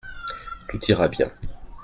Tout ira bien.